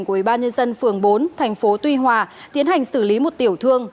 của ủy ban nhân dân phường bốn tp tuy hòa tiến hành xử lý một tiểu thương